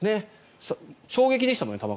衝撃でしたもんね。